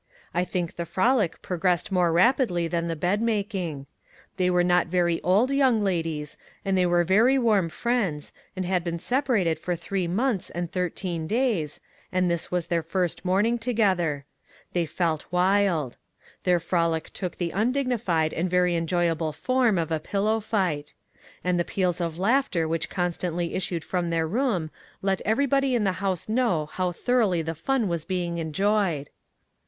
I think the frolic progressed more rapidly than the bed making. They were not very old young ladies, and they were very warm friends, and had been separated for three months and thirteen days, and this was their first morning together. They felt wild. Their frolic took the undignified and very enjoyable form of a pillow fight. And the peals of laughter which constantly issued from their room let everybody in the house know how thoroughly the fun was being enjoyed.